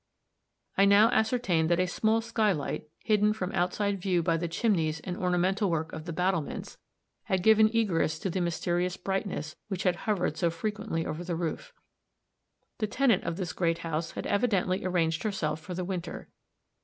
I now ascertained that a small sky light, hidden from outside view by the chimneys and ornamental work of the battlements, had given egress to the mysterious brightness which had hovered so frequently over the roof. The tenant of this great house had evidently arranged herself for the winter.